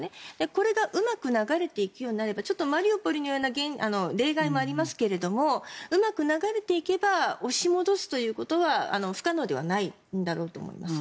これがうまく流れていくようになればマリウポリのような例外もありますがうまく流れていけば押し戻すということは不可能ではないんだろうと思います。